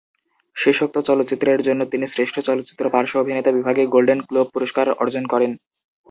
শেষোক্ত চলচ্চিত্রের জন্য তিনি শ্রেষ্ঠ চলচ্চিত্র পার্শ্ব অভিনেতা বিভাগে গোল্ডেন গ্লোব পুরস্কার অর্জন করেন।